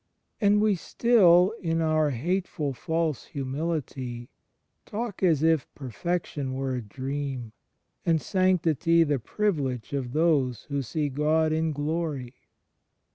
And we still in our hateful false humility talk as if Perfection were a dream, and Sanctity the privilege of those who see God in glory.